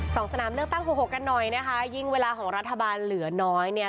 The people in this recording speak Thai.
สนามเลือกตั้งหกหกกันหน่อยนะคะยิ่งเวลาของรัฐบาลเหลือน้อยเนี่ย